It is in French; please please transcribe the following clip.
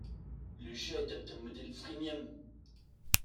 Le jeu adopte un modèle freemium.